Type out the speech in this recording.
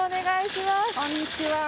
こんにちは。